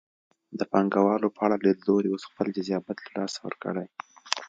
د پانګوالو په اړه لیدلوري اوس خپل جذابیت له لاسه ورکړی.